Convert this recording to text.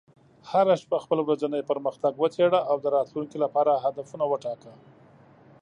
هره شپه خپل ورځنی پرمختګ وڅېړه، او د راتلونکي لپاره هدفونه وټاکه.